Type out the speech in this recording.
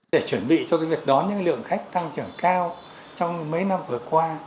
để chuẩn bị cho việc đón những lượng khách tăng trưởng cao trong mấy năm vừa qua